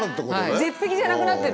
絶壁じゃなくなってる。